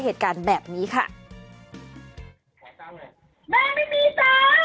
เดี๋ยวไปแล้วนะเบียงเขาถ่ายโป้งไว้นะ